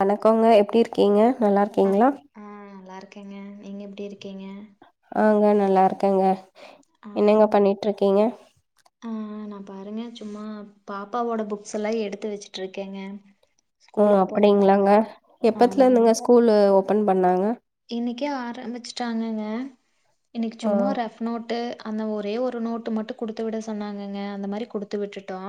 வணக்கங்க எப்டி இருக்கீங்க நல்லா அ இருக்கீங்ளா ஆ நல்லா இருக்கேங்க நீங்க எப்டி இருக்கீங்க ஆங்க நல்லா இருக்கேங்க ஆ என்னங்க பண்ணீட்டு இருக்கீங்க ஆ நா பாருங்க சும்மா பாப்பாவோட புக்ஸ் எல்லா எடுத்து வச்சிட்டு இருக்கேங்க ஆ அப்டிங்களாங்க எப்பத்துல இருந்துங்க ஸ்கூல் ஓப்பன் பண்ணாங்க இன்னக்கே ஆரம்பிச்சுட்டாங்கங்க இன்னக்கி ஓ சும்மா ரஃப் நோட்டு அந்த ஒரே ஒரு நோட்டு மட்டு குடுத்து விட சொன்னாங்கங்க அந்த மாரி குடுத்து விட்டுட்டோ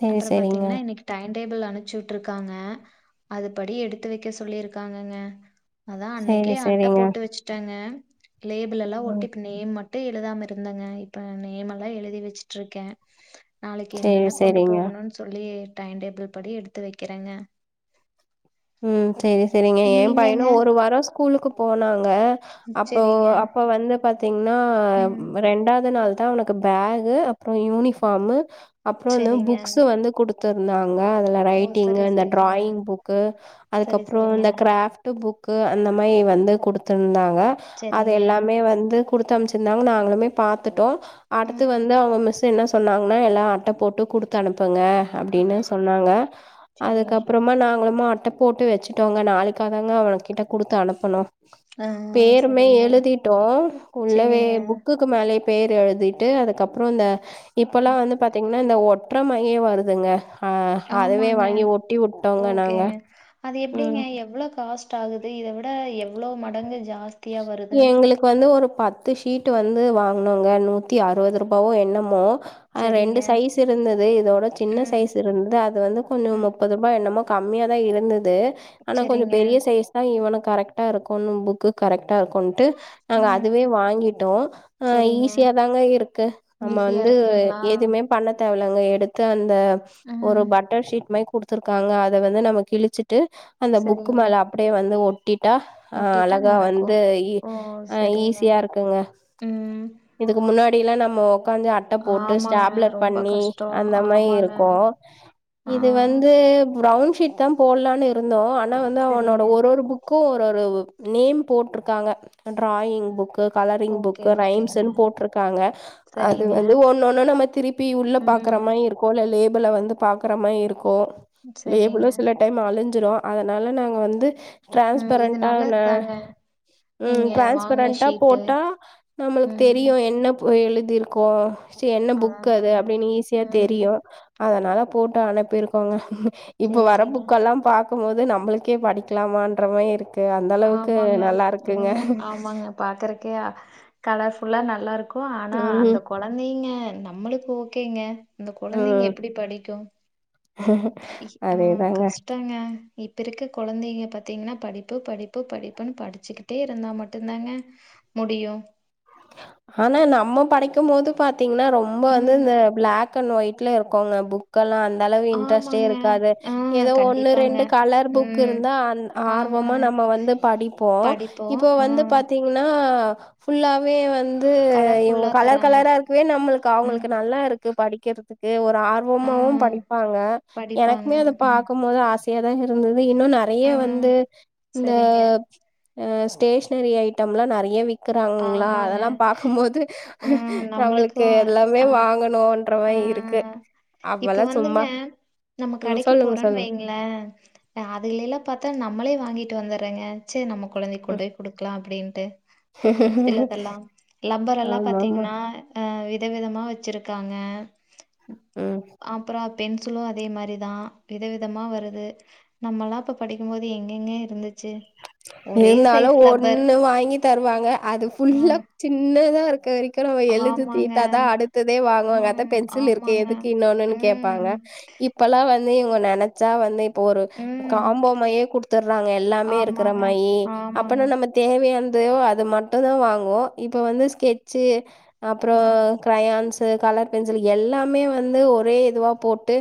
சரி அப்பறோ சரிங்க. பாத்தீங்கன்னா இன்னக்கி டைம் டேபிள் அனுப்ச்சி விட்ருக்காங்க அது படி எடுத்து வைக்க சொல்லிருக்காங்கங்க அதா அன்னக்கே சரி அட்ட சரிங்க. போட்டு வச்சிட்டேங்க லேபிள் எல்லா ஒட்டி ம். இப்ப நேம் மட் மட்டு எழுதாம இருந்தங்க இப்ப நேமல்லா எழுதி வச்சிட்டுருக்கே நாளைக்கி சரி என்னென்ன கொண்டு சரிங்க. போகணுன்னு சொல்லி டைன்டேபிள் படி எடுத்து வக்கிறேங்க ம் சேரி சேரிங்க என் பையனு ஒரு வாரோ ஸ்கூலுக்கு போனாங்க அப்போ சரிங்க அப்ப வந்து பாத்தீங்கன்னா ம் ரெண்டாது நாள் அவனுக்கு பேக் அப்பறோ யூனிஃபார்ம் அப்பறோ வந்து சரிங்க புக்ஸ் வந்து குடுத்துருந்தாங்க அதுல ஓ ரைட்டிங் சரி இந்த சரிங்க டிராயிங் புக்கு சரி அதுக்கப்பறோ சரிங்க இந்த கிராஃப்ட் புக் புக்கு அந்த மாரி வந்து குடுத்துருந்தாங்க அது சரிங்க எல்லாமே வந்து குடுத்து அம்ச்சிருந்தாங்க நாங்களுமே பாத்துட்டோ அடுத்து ம் வந்து அவங்க மிஸ் என்ன சொன்னாங்கன்னா எல்லா அட்ட போட்டு குடுத்து அனுப்புங்க அப்டின்னு ம் சொல்லலா சரிங்க அதுக்கப்பறமா நாங்களுமா அட் போட்டு வச்சுட்டோங்க நாளைக்காகங்க அவங்கிட்ட குடுத்து அனுப்பணு ஆ பேருமே சரிங்க எழுதிட்டோ உள்ளவே சரிங்க புக்குக்கு மேலே பேர் எழுதிட்டு அதுக்கப்றோந்த இப்பல்லா ம் வந்து பாத்தீங்னா இந்த ஒட்றமாயே வருதுங்க அ அதவே ஆமாங்க வாங்கி ஒட்டி உட்டோங்க நாங்க ஓகேங்க. அது ம் எப்டிங்க எவ்ளோ காஸ்ட் ஆகுது இத விட எவ்ளோ மடங்கு ஜாஸ் எங்குளுக்கு வந்து ஒருப் பத்து ஷீட்டு வந்து வாங்னோங்க நூத்தி அறுபது ரூபாவோ என்னமோ சரிங்க. ரெண்டு சைஸ் இருந்தது இதோட சின்ன ம், சைஸ் இருந்தது அது வந்து கொஞ்ச ம். முப்பது ரூபா என்னமா கம்மியாதா இருந்துது ஆனா கொஞ்சோ சரிங்க. பெரிய சைஸ் தா இவன கரெக்டா இருக்குன் புக்கு கரெக் க கொண்ட்டு நாங்க அதுவே ம். வாங்கிட்டோ ஆ சரிங்க. ஈஸியா தாங்க இருக்கு நம்ம ஈஸியா வந்து எ இருக்குங்களா? எதுமே பண்ண தேவ லேவுங்க எடுத்து அந்த ஒரு ம். பட்டர் ஷீட் மாதி குடுத்துருக்காங்க அத வந்து நம்ம கிழிச்சு ட்டு அந்த புக்கு சரிங்க. மேல அப்டே வந்து ஒட்டிடா ஒட்டிட்டா அழகா வந் நின்னுக்கும். து ஈ ஓ! ஆ சரிங்க. ஈஸியாருக்குங்க ம். இதுக்கு முன்னாடிலா நம்மோக் கொஞ்சோ அட்டை போட்டு ஆமாங்க. ஸ்டாப்லர் ரொம்ப பண்ணி கஷ்டம். அந்த மாரி ஆமாங்க. இருக்கு ஆ. இது வந்து ப்ரௌன் ஷ் ஒட்டிட் தா போடலாம்னு இருந்தோ ஆனா வந்து சரிங்க. அவனோட ஒரு ஒரு புக்கு ஒரு ஒரு நேம் போட்ருக் க்காங்க டிராயிங் புக் கு கலரிங் ஓகே, புக்கு ஓகேங்க. ரைம்ஸ்னு போட்ருக்காங்க அது சரிங்க. வந்து ஒன்னொன்னு நம்ம திருப்பி உள்ள பா க்கற ம். மாரி இருக்கு இல லேபில வந்து பாக்கற மாரி இருக்கு சரிங்க. லேபிலும் சில டைம் அழிஞ் சுரூ அதனால நாங்க வந்து ம். இது நல்லது ட்ரான்ஸ்பரண்டானா தாங்க. ம் நீங்க வாங்குன டிரான்ஸ்ப்ரண்டா ஷீட்டு. போட்டா நம்மளுக் ம். தெரியு என்னப் எழுதிருக்கோ ஸ்ட் என்ன புக் அது அதாதாங்க. அப்டின்னு ஈஸியா ம். தெரியு அதனால போட்டு அனுப்பிருக்கோங்க இப்ப வர சரிங்க. புக்கல்லா பாக்கும் போது நம்ளுக்கே படிக்கலாமான்ற மாரி இருக்கு அந்த அளவுக்கு ஆமாங்க. நல்லா இருக்குங்க ம் ஆமாங்க பாக்கறக்கே கலர்ஃபுல்லா நல்லா இருக்கு இருக்கும் ஆனா அந்த ம் குழந்தைங்க நம்மளுக்கு ஓகேங்க அந்த குழந்தைங்க ம் எப்படி படிக்கும் ம் அதேதாங்க கஷ்டங்க இப்ப இருக்க குழந்தைங்க பார்த்தீங்கன்னா படிப்பு படிப்பு படிப்புன்னு படிச்சுக்கிட்டே இருந்தா மட்டுந்தாங்க முடியும் ஆனா நம்ம படிக்கும் போது பாத்தீங்கன்னா ரொம்ப வந்து ம். இந்த பிளாக் அன்டு வைட் இருக்கோங்க புக்கெல்லாம் அந்த அளவு இன்ட்ரெஸ்ட்டே ஆமாங்க. இருக்காது ஆ ஏதோ ஒண்ணு கண்டிப்பாங்க. ரெண்டு கலர் புக் ம். இருந்தா ஆர்வமா ஆமாங்க. நம்ம வந்து படிப்போம் படிப்போம். இப்போ ஆ வந்து பாத்தீங்கன்னா ஃபுல்லாவே வந்து இவங்க கலர்ஃபுல்லா கலர் தராங்க. கலரா இருக்கவே நம்மளுக்கு ம். அவங்களுக்கு நல்லா இருக்கு படிக்கிறதுக்கு ஒரு ஆர்வமாவும் ம் படிப்பாங்க படிப்பாங்க. எனக்குமே அதை ம் பார்க்கும்போது ஆசை ஏதோ இருந்தது இன்னும் நிறைய ம் வந்து இந்த சரிங்க. ஸ்டேஷனரி ஐட்டம் எலாம் நிறைய விக்கிறா ல ஆமாங்க. அதெல்லாம் பாக்கும்போது ம் நம்மளுக்கு நம்மளுக்கும் எல்லாமே அ வாங்கணும்ன்ற அ மாதிரி இருக்கு க்கு இப்ப வந்துங்க நம்ம ம் கடைக்கு சொல்லுங்க போறோம்ன்னு சொல்லுங்க வைங்களேன் அதுல எல்லாம் பார்த்தா நம்மளே வாங்கி ட்டு வந்துறேங்க சேர் நம்ம கொழந்தைக்கு கொண்டு போய் கொடுக்கலா அப்படின்ட்டு சிலதெல்லாம் லப்பர் எல்லாம் ஆமா ஆமா பாத்தீங்கன்னா அ விதவிதமா வச்சிருக்காங்க ம் அப்புறம் பென்சிலு அதே மாரிதா விதவிதமா வருது நம்மல்லா அப்ப படிக்கும் போது எங்கெங்க இருந்துச்சு ஒரே இருந்தாலு சைஸ் லப்பர். ஒண்ணு வாங்கி தருவாங்க அது ஃபுல்லா ம் சின்னதா இருக்க வரைக் கு நம்ம எழுதி ஆமாங்க. தீட்டாதா அடுத்ததே வாங்குவாங்க அதா ம். பென்சில் இருக்கே ஆமாங்க. எதுக்கு இன்னொன்னுன் கேப்பாங்க ம். இப்பெல்லா வந்து இவங்க நெனச்சா வந்து இப்ப ஒரு ம். காம்போமையே குடுத்தறாங்க எல்லாமே இருக் க்ற ஆமாங்க. மாயி ஆமாங்க. அப்பனா நம்ம தேவையா னதையோ அது மட்டும் தா வாங்குவோ இப்ப வந்து ஸ்கெட்சு அப்புறோ ஆ. க்ரயான்ஸ் கலர் பென்சில் எல்லாமே வந்து ஒரே இதுவா போட்டு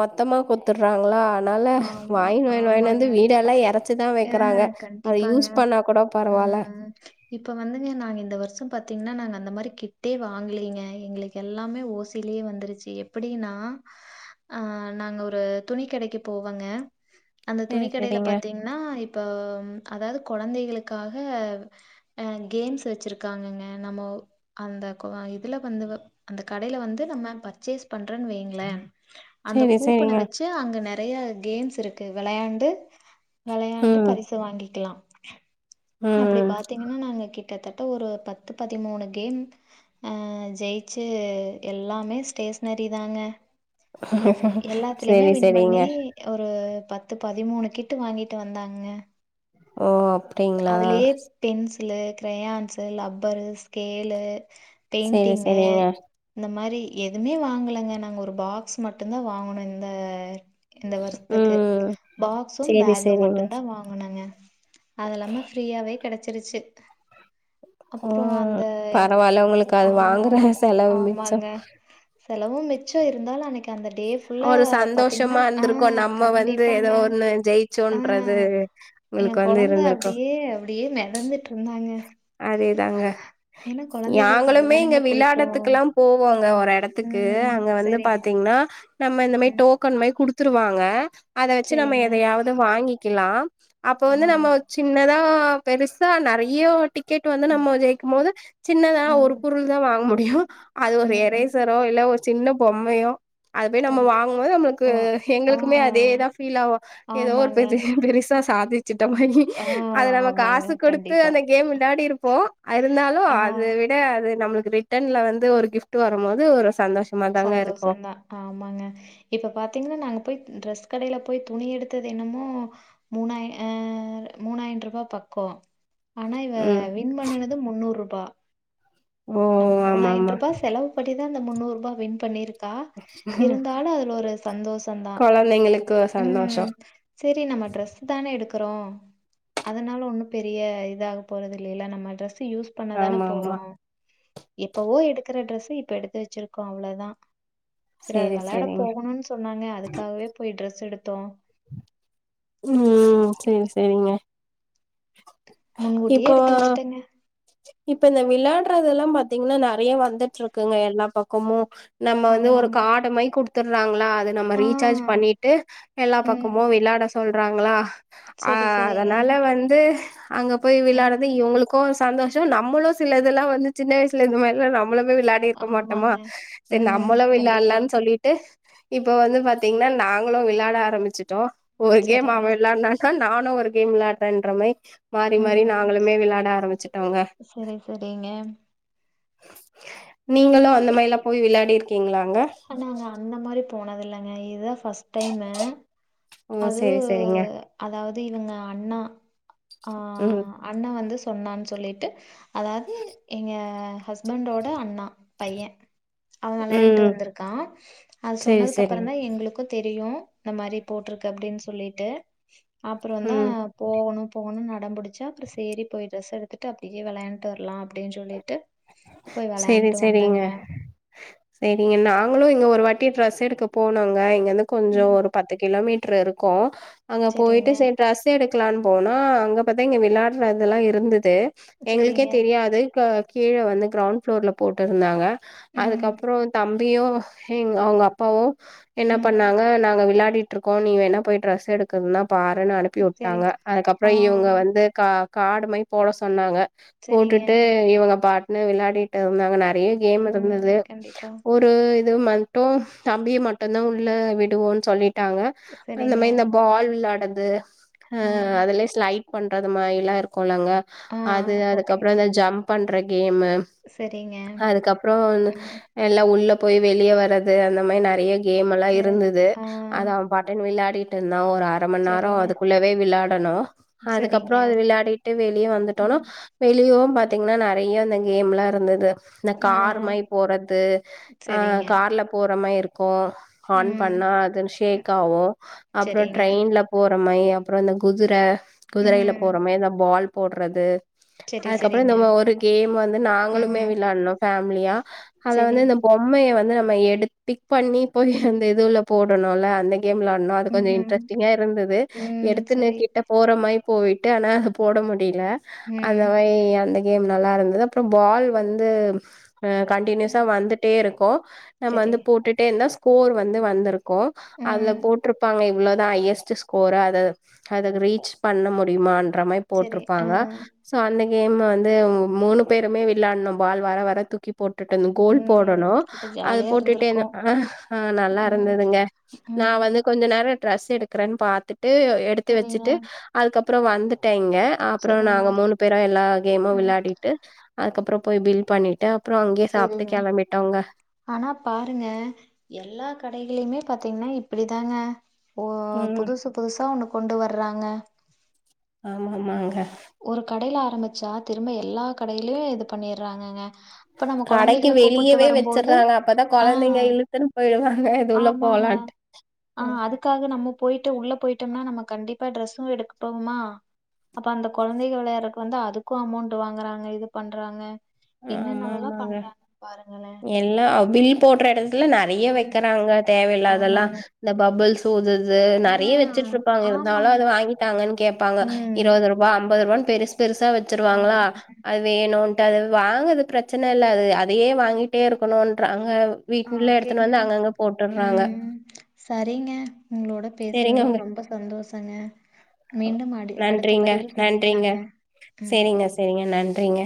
மொத்தமா கொத்துடுறாங்களா அதனால ஆமா. வாயின்டு வன் வாயின்டு வந்து வீடெல்லா எறச்சிதா வைக் அ கண்டிப்பாங்க பரவால்ல ம் இப்ப வந்துங்க நாங்க இந்த வருஷம் பாத் பாத்தீங்கன்னா நாங்க அந்த மாரி கிட்டே வாங்கலீங்க எங்களுக்கு எல்லாமே ஓசிலயே வந்துருச்சு எப்படின்னா ஆ நாங்க ஒரு துணி கடைக்கு போவாங்க அந்த சேரி துணிக்கடைல சேரிங்க பாத்தீங்கன்னா இப்ப அதாவது கொழந்தைகளுக் காக ஆ கேம்ஸ் வச்சிருக்காங்கங்க நம்ம அந்த இதுல வந்து அந்த கடையில வந்து நம்ம பர்ச்சேஸ் பண்றன்னு வைங்களே அந்த சேரி கூப்பன சேரிங்க வச்சு அங்க நெறைய கேம்ஸ் இருக்கு வெளையாண்டு வெளையாண்டு ம் பரிச வாங்கிக்கலாம் அப்படி ம் பாத்தீங்கன்னா நாங்க கிட் கிட்டத்தட்ட ஒரு பத்து பதிமூணு கேம் ஆ ஜெயிச்சு எல்லாமே ஸ்டே ஸ்னறி தாங்க எல்லாத்லயுமே சேரி வின் சேரிங்க பண்ணி ஒரு பத்து பதிமூணு கிட்டு வாங்கிட்டு வந்தாங்க ஓ அப்டிங்களா அதுலயே பென்சிலு க்ரயான்ஸு ரப்பரு ஸ்கேலு சேரி பெயிண்டிங்கு சேரிங்க இந்த மாரி எதுவுமே வாங்கலங்க நாங்க ஒரு பாக்ஸ் மட்டுதா வாங்கணு இந்த இந்த வருஷத்துக்கு ம் பாக்ஸும் சேரி பேகும் சேரிங்க மட்டும் தா வாங்குனுங்க அது எல்லாம ஃப்ரீயாவே கெடைச்சிருச்சு ம் பரவால்ல உங்களுக்கு அது ஆ வாங்குற செலவு மிச்சம் ஆமாங்க செலவு மிச்ச இருந்தாலு அன்னைக்கு அந்த டே ஃபுல்லா ஒரு பாத்தீங்கன்னா சந்தோஷமா ஆ இருந்திருக்கு நம்ம வந்து கண்டிப்பாங்க ஏதோ ஒன்னு ஆ ஜெயிச்சோன்றது எ இவளுக்கு வந்து கொழந்த இருந்திருக்கு அப்டியே அப்டியே மெதந்துட்டு இருந்தாங்க அதேதாங்க ஏன்னா குழந்தைகளுக்கு யாங்களுமே இங்க அதுதானேங்க பிடிக்கும் விளாடத்துக்லா போவோங்க எடத்துக்கு ம் அங்க வந்து சரிங்க பாத்தீங்ன்னா நம்ம இந்த மாரி ம் டோக்கன் மாரி குடுத்துருவாங்க அத வச்சு நம்ம சரிங்க எதயாவது வாங்கிக்கலா அப்ப ஆ வந்து நம்ம சின்னதா பெருசா நெறய டிக்கெட் வந்து ம் நம்ம ஜெயிக்கும் போது சின்னதா ஒரு ம் பொருள்தா வாங்க மு டியு அது ஒரு ம். எரேசரோ இல்ல ஒரு சின்ன பொம்மயோ அது போய் நம்ம கண் வாங்கும் போது நம்மளுக்கு வா ஆ எங்களுக்குமே அதேதா ஃபீல் ஆவு ஏதோ ஒரு பெ ஆமாங்க பெருஸ் சா சாதி ச்சிட்ட மாரி ஆ அது நம்ம ஆமாங்க காசு கொடுத்து கண்டிப்பா அந்த கேம் விளாடி இருப்போ இருந்தாலு ஆ அது விட அது நம்மளுக்கு ரிட்டர்ன்ல வந்து ஒரு கிஃப்ட் வரும் போது ஒரு சந்தோஷமா தாங்க இருக்கு சந்தோஷம்தான் ஆமாங்க இப்ப பாத்தீங்ன்னா நாங்க போய் ட்ரெஸ் கடையில போய் துணி எடுத்தது என்னமோ மூணாயிர ஆ மூணாயின்ரூபா பக்கோ ஆனா இவ ம் வின் பண்ணுனது முன்னூரூபா ஓ நம்ம ஆமா மூணாயிரன் ஆமா ரூபா செலவு படிதா அந்த முன்னூரூபா வின் பண்ணிருக் கா இருந்தாலு அதுல ஒரு சந்தோஷந்தா கொழந்தைங்களுக்கு ஒரு சந்தோஷோ ம் செரி நம்ம ட்ரெஸ் தானே எடுக் குரோ அதனால ஒன்னு பெரிய இதாக போறது இல்லைல நம்ம ட்ரெஸ் யூஸ் பண்ணதானே ஆமா போறோ ஆமா எப்பவோ எடுக்கிற டிரெஸூ இப்ப எடுத்து வச்சிருக்கோ அவ்ளோத செரி அதுக சேரி வெளாட சேரிங்க போகணுன்னு சொன்னாங்க அதுக்காகவே போய் ட்ரெஸ் எடுத்தோ ம் செரி செரிங்க முன்கூட்டியே எடுத்து வச்சிட்டங்க இப்ப இந்த விளயாட்றதெல்லா பாத்தீங்ன்னா நெறைய வந்துட்டு இருக்குங்க எல்லா பக்கமு நம்ம வந்து ஒரு ஆமாங்க காடு மாரி குடுத்துறாங்ளா அது நம்ம ஆ ரீசார்ஜ் பண்ணிட்டு எல்லா ம் பக்கமு விளாட சொல்றாங்ளா அ சரி சரிங்க அதனால வந்து அங்க போய் ம் விளாட்றது இவங்களுக்கு சந்தோஷ நம்மளு சிலதெல்லா வந்து சின்ன வயசல இந்த மாரிலா நம்மளுமே விளாடியிருக்க மாட்டமா ஆமாங்க செரி ம் நம்மளு கண்டிப்பா விளாட்லான் சொல்லிட்டு இப்ப வந்து பாத்தீங்ன்னா நாங்களு விளயாட ஆரம்பிச்சிட்டோ ஒரு கேம் அவ சரிங்க விளாடு னாக்கா நானு ஒரு கேம் விளாட்றன்ற மாரி மாறி மாறி ம் நாங்களுமே விளாட ஆரம்பிச்சுட்டோங்க சரி சரிங்க நீங்களு அந்த மாரிலா போய் விளாடிருக்கீங்ளா ஆ நாங்க அந்த மாரி போனது இல்லங்க இதா ஃபஸ்ட் டைமு ஓ அது செரி செரிங்க அதாவது இவங்க அண்ணா ஆ ம் அண்ண வந்து சொன்னான் சொல்லிட்டு அதாவது எங்க ஹஸ்பண்டோட அண்ணா பைய அவ விளயான்ட்டு ம் வந்திருக் கா அது செரி செரிங்க சொன்னதுக்கப்புறந்தா எங்களுக்கு தெரியு இந்த மாரி போட்டிருக்கு அப்டின் சொல்லிட்டு அப்புறந்தே ம் போகணு போணு அடம் புடிச்சா அப்புற சேரி போய் ட்ரெஸ் எடுத்துட்டு அப்டியே விளாண்ட்டு வர்லா அப்டின் சொல்லிட்டு போய் செரி வெளையாண்ட்டு செரிங்க வந்தங்க செரி நாங்களு இங்க ஒரு வாட்டி டிரெஸ் எடுக்க போனோங்க இங்கிருந்து கொஞ்ச ம் ஒரு பத்து கிலோமீட் டிருக்கோ அங்க போயிட்டு சரிங்க செரி ட்ரஸ் எடு க்கலான் போனா அங்க பாத்தா இங்க விளாட்றதெல்லா இருந்தது எங்களுக்கே சரிங்க. தெரியாது க கீழ வந்து கிரௌண்ட் ஃப்ளோர்ல போட்டுருந்தாங்க ம். அதுக்கப்றோ தம் பியு எங் அவங்க அப்பாவு என்ன ம். பண்ணாங்க நாங்க விளா ட்ருக்கோ நீ வேன போய் டிரெஸ் எடுக்குன்னா பாருன்னு அனுப்பி சரி. உட்டாங்க அதுக்கப்புறோ ஆ. இவங்க வந்து க காடு மாரி போட சொன்னாங்க சரிங்க. போட்டுட்டு இவங்க பாட்டுன்னு விளாடிட்டு இருந்தாங்க நெ றைய கேம் ம். இருந்தது கண்டிப்பா. ஒரு இது ம டும் தம்பிய மட்டுந்தா உள்ள விடுவோன் சொல்லிட்டாங்க அந்த சரிங்க. மாரி இந்த பால் விளாட்ற து அ ம். அதுலயே ஸ்லைட் பண்றது மாரில்லா இருக்குல்லங்க ஆ. அது ஓகே. அதுக்கப்புறோ இந் ஜம்ப் பண்ற கேமு சரிங்க. அதுக்கப்புறோ வந்து ம். எல்லா உள்ள போய் வெளிய வர்றது அந்த மாரி நெறைய கேம் எல்லா சரி. இருந்தது ஆ. அது அவ பாட்டுன் விளாடிட்டு இருந்தா ஒரு அர மண் நேரோ சரிங்க. அதுக்குள்ளவே விளாடணு சரிங்க. அதுக்கப்புறோ அது விளாடிட்டு வெளிய வந்துட்டோனா ம். வெளியு பாத்திங்ன்னா நெறையா அந்த கேம்லா இருந்த இந்த ஆ. கார் மாரி போறது ஆ சரிங்க. கார்ல போற மாரி இருக்கு ஆன் ம். பண்ண அது ஷேக் ஆகு அப்புறோ சரிங்க. ட்ரெயின்ல போற மாரி அப்புறோ இந்த குதிர குதிரையில ம். போற மாரி இந்த பால் போட்றது சரி, அதுக்கப்புறோ இந்த சரிங்க. ஒரு கேம் வந்து நாங்களுமே ம். விளாட்னோ ஃபேம்லியா அல சரி. வந்து இந்த பொம்மையை வந்து நம்ம எடு பிக் பண்ணி போய் அந்த இதுல போடணுல அந்த கேம் விளாட்னோ அது கொஞ்சோ ம்ஹ்ம். இன்ட்ரஸ்டிங்கா இருந்தது ம். எடுத்துன்னு சரி. கிட்ட போற மாரி போய்ட்டு ஆனா அது போட முடியல அந்த ம். அந்த கேம் நல்லா இருந்தது அப்றோ பால் வந் து அ கண்டினியஸா ம். வந்துட்டே இருக்கு நம்ம சரி. வந்து போட்டுட்டே இருந்தா ஸ்கோர் வந்து வந்திருக்கு அதுல ம். போட்டிருப்பாங்க இவ்ளதா ஹையஸ்ட் ஸ்கோரு அது அதுக்கு ரீச் பண்ண முடியுமான் ற மாரி சரி. போட்ருப்பாங்க ஆ. சோ அந்த கேம் வந்து மூணு பேருமே விளாட்னம் பால் வர வர தூக்கிப் போட்டுட்டு இருந்து கோல் போடணு ம் இப்ப அது ஜாலியா போட்டுட்டே இருந்திருக்கு அ அ நல்லா ம் இருந்துதுங்க நா ம் வந்து கொஞ்சோ நேரம் ட்ரெஸ் எடுக்கிறேன்னு பாத்துட்டு எடுத்து சரிங்க வெச்சுட்டு அதுக்கப்புறோ வந்துட்டேங் ங்க அப்புறோ சரிங்க நாங்க மூணு பேரு எல்லா கேமும் ம் விளாடிட்டு அதுக்கப்புறோ போய் பில் பண்ணிட்டு அப்புறோ அங்கேயே சாப்ட்டு செரிங்க கெளம்பிட்டோங்க ஆனா பாருங்க எல்லா கடைகளுமே பா பாத்தீங்கன்னா இப்பிடிதாங்க ஓ ம் புதுசு புதுசா ஒண்ணு கொண்டு வர்றாங்க ஆமா ஆமாங்க ஒரு கடையில ஆரம்பிச்சா திரும்ப எல்லா கடையிலயையு இது பண்ணிருறாங்கங்க கடைக்கு வெளியவே வெச்சுறாங்க அப்பதா ஆ கெழந்திங்க இழுத்துன்னு போயிடுவாங்க இது உள்ள போ போலண்டு அ அதுக்காக நம்ம போய்ட்டு உள்ள போயிட்டோம்னா நம்ம கண்டிப்பா டிரரெஸ்சு எடுக்கப்போமா அப்ப அந்த கெழந்தைக வெளையாட்றதுக்கு வந்து அதுக்கு அமௌண்ட் வாங்குறாங்க இது பண்றாங்க ஆமா என்னென்னவெல்லா ஆமாங்க பண்றாங்கன்னு பாருங்களே எல்லாம் பில் போட்ற எடத்து நெறைய ம் வைக்கிறாங்க தேவயில்லாதெல்லா ஆமாங்க இந்த பப்புள்ஸ் ஊதுறது ஆ நெறைய வெச்சட்டு இருப்பாங்க இருந்தாலு ஆமாங்க அத வாங்தாங்கன்னு கேப்பாங்க ம் இருபது ரூபா ஐம்பது ரூபனு பெருசு பெருசா வெச்சுருவாங்களா ஆமாங்க அது வேணும்ன்ட்டு அது வாங்றது பிரச்சன இல்ல அதையே வாங்கிட்டே இருக்கணும்ன்றாங்க அ ஓகேங்க ம் செரிங்க உங்களோட செரிங்க பேசனது உங்க ரொம்ப ரொம்ப சந்தோஷங்க மீண்டும் அடி அடுத்த நன்றிங்க பதிவில் நன்றிங்க சந்திக்கலாங்க ம் செரிங்க செரிங்க நன்றிங்க